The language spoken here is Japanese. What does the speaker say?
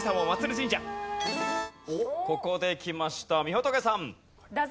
ここできましたみほとけさん。